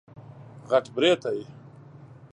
غټ برېتی